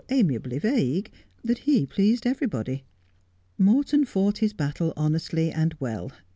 161 amiably vague that he pleased everybody. Morton fought his battle honestly and well.